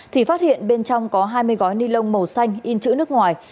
thì phát hiện bên trong có hai mươi gói ni lông màu xanh in chữ nước ngoài